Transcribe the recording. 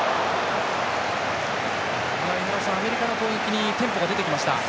井原さん、アメリカの攻撃にテンポが出てきました。